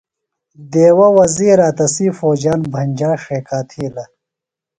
دیوہ وزیرے تسی فوجیان بھنجا ݜیکا تِھیلہ۔